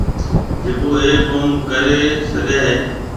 جڪو اَي ڪوم ڪريَ هگھيََََ هيَ۔